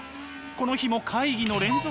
この日も会議の連続。